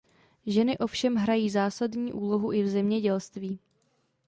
Ženy ovšem hrají zásadní úlohu i v zemědělství.